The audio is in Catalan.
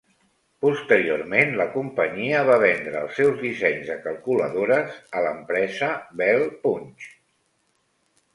Posteriorment, la companyia va vendre els seus dissenys de calculadores a l'empresa Bell Punch.